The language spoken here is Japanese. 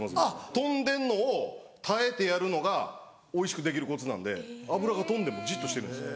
飛んでんのを耐えてやるのがおいしくできるコツなんで油が飛んでもじっとしてるんですよ。